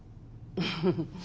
フフフ。